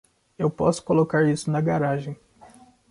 Eu posso colocar isso na garagem.